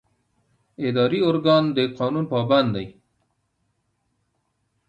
اداري ارګان د قانون پابند دی.